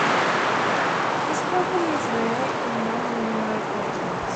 This property is rare in nonlinear equations.